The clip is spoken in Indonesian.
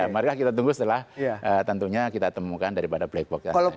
mari kita tunggu setelah tentunya kita temukan daripada black box